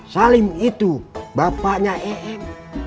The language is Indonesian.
salim itu bapaknya em